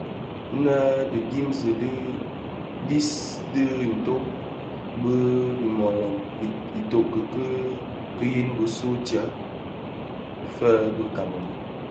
Nnë dhi dimzi di dhiyis di dhi nto u dhid bi dimuloň Itoko ki yin bisuu ntsem fè bi kameroun,